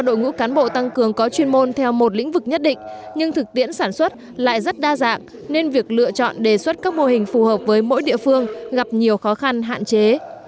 đội ngũ cán bộ tăng cường có chuyên môn theo một lĩnh vực nhất định nhưng thực tiễn sản xuất lại rất đa dạng nên việc lựa chọn đề xuất các mô hình phù hợp với mỗi địa phương gặp nhiều khó khăn hạn chế